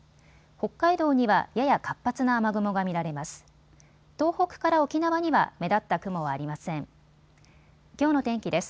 北海道にはやや活発な雨雲が見られます。